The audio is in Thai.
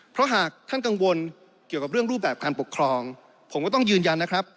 เพราะหากท่านกังวลเกี่ยวกับเรื่องรูปแบบการปกครองผมก็ต้องยืนยันนะครับ